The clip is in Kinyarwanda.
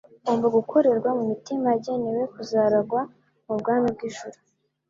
ugomba gukorerwa mu mitima yagenewe kuzaragwa ubwami bw'ijuru.